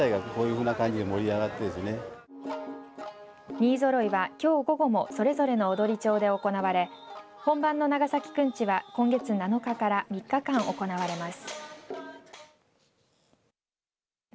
人数揃いはきょう午後もそれぞれの踊町で行われ本番の長崎くんちは今月７日から３日間行われます。